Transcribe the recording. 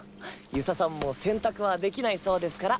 遊佐さんも洗濯はできないそうですから。